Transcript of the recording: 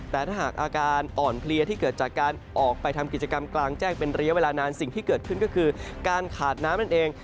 แต่ถ้าหากอาการอ่อนเพลียที่เกิดจากการออกไปทำกิจกรรมกลางแจ้งเป็นระยะเวลานานสิ่งที่เกิดขึ้นก็คือการขาดน้ำนั่นเอง